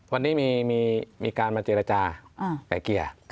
วันนี้มีการมาเจรจาไก่เกลี่ย